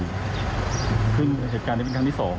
เกิดขึ้นเหตุการณ์นี้เป็นครั้งที่สอง